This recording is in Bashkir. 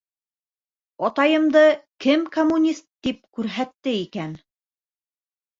— Атайымды кем коммунист тип күрһәтте икән?